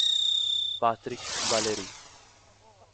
Patrick Valéry